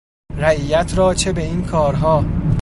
رعیت را چه به این کارها